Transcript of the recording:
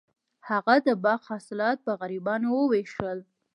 هغه د باغ حاصلات په غریبانو وویشل.